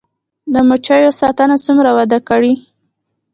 د مچیو ساتنه څومره وده کړې؟